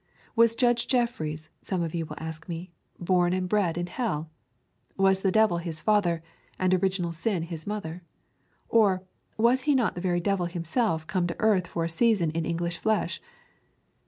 Was Judge Jeffreys, some of you will ask me, born and bred in hell? Was the devil his father, and original sin his mother? Or, was he not the very devil himself come to earth for a season in English flesh?